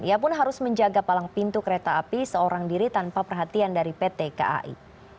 ia pun harus menjaga palang pintu kereta api seorang diri tanpa perhatian dari pt kai